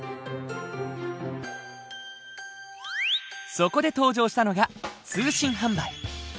そこで登場したのが通信販売。